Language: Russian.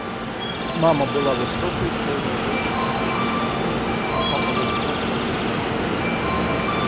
Мама была высокой, полной женщиной с лошадиным голосом, а папа был просто её супруг.